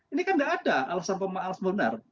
ini kan tidak ada alasan pemaaf alasan pemenar